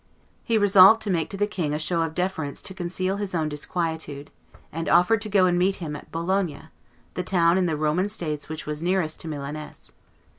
He resolved to make to the king a show of deference to conceal his own disquietude; and offered to go and meet him at Bologna, the town in the Roman States which was nearest to Milaness.